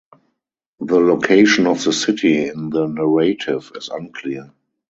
The location of the city in the narrative is unclear.